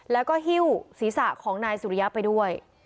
แล้วก็หิ้วศีรษะของนายสุริยะไปด้วย